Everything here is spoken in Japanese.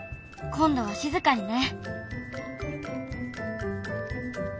今度は静かにね。